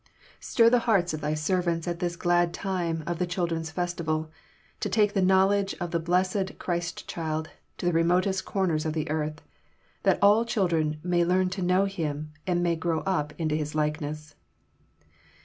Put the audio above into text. Stir the hearts of Thy servants at this glad time of the Children's Festival, to take the knowledge of the blessed Christ Child to the remotest corners of the earth, that all children may learn to know Him, and may grow up into His likeness.